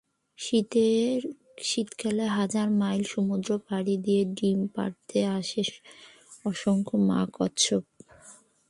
শীতকালে হাজার মাইল সমুদ্র পাড়ি দিয়ে ডিম পাড়তে আসে অসংখ্য মা কচ্ছপ।